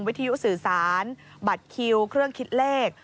วิทยุสื่อสารบัตรคิวเครื่องคิดเลข